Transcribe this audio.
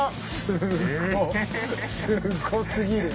すごすごすぎる！